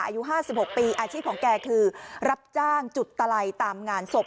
อายุ๕๖ปีอาชีพของแกคือรับจ้างจุดตะไลตามงานศพ